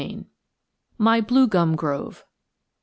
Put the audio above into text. MY BLUE GUM GROVE.